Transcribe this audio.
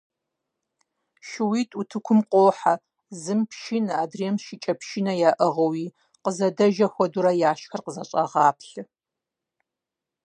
ШууитӀ утыкум къохьэ, зым пшынэ, адрейм шыкӀэпшынэ яӀыгъыуи, къызэдэжэ хуэдэурэ яшхэр къызэщӀагъаплъэ.